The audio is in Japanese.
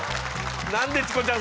なんでチコちゃん